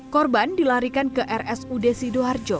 korban dilarikan ke rs udesi doharjo